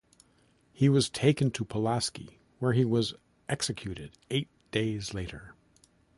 He was taken to Pulaski, where he was executed eight days later.